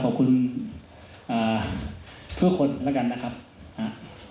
ขอบคุณอ่าทุกคนแล้วกันนะครับอ่า